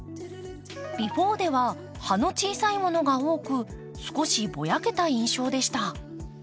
「Ｂｅｆｏｒｅ」では葉の小さいものが多く少しぼやけた印象でした。